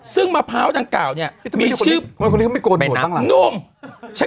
ซึ่งมะพร้าวจางก่าวเนี่ยมีชื่อแกน้ำนุ่มเป็นนนน้ำ